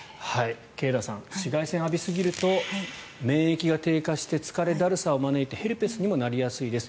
慶田さん、紫外線を浴びすぎると免疫が低下して疲れ、だるさを招いてヘルペスにもなりやすいです。